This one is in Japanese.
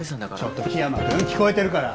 ちょっとキヤマ君聞こえてるから。